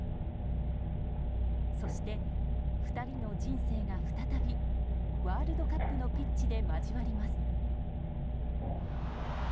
そして、２人の人生が再びワールドカップのピッチで交わります。